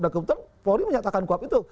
dan kebetulan polri menyatakan kuhab itu